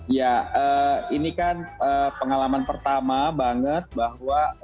ya ini kan pengalaman pertama banget bahwa